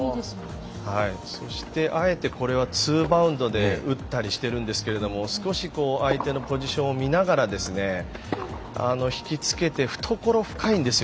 そして、あえて、こちらはツーバウンドで打ったりしているんですけれど少し相手のポジションを見ながら引きつけて懐深いんです。